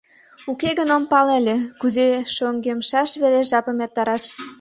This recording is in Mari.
Уке гын ом пале ыле, кузе шоҥгемшаш велеш жапым эртараш...